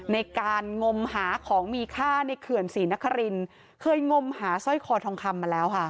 งมหาของมีค่าในเขื่อนศรีนครินเคยงมหาสร้อยคอทองคำมาแล้วค่ะ